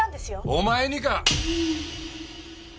お前にか？